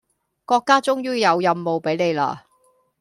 國家終於有任務俾你喇